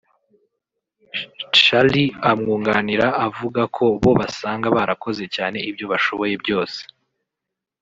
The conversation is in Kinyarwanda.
Chaly amwunganira avuga ko bo basanga barakoze cyane ibyo bashoboye byose